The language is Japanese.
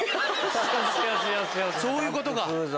そういうことか。